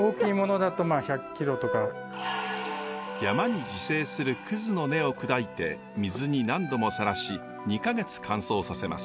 山に自生するくずの根を砕いて水に何度もさらし２か月乾燥させます。